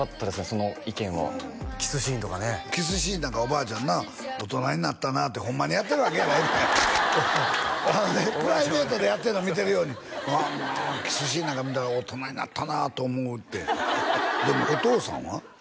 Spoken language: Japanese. その意見はキスシーンとかねキスシーンなんかおばあちゃんな大人になったなってホンマにやってるわけやないプライベートでやってるの見てるようにキスシーンなんか見たら大人になったなと思うってでもお父さんは？